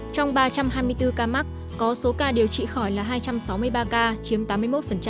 trong ba trăm hai mươi bốn ca mắc có số ca điều trị khỏi là hai trăm sáu mươi ba ca chiếm tám mươi một